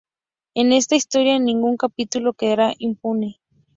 En esta historia ningún capítulo quedará impune.